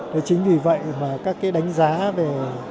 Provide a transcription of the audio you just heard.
thế chính vì vậy mà các cái đánh giá về